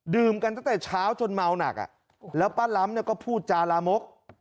กันตั้งแต่เช้าจนเมาหนักแล้วป้าล้ำเนี่ยก็พูดจาลามก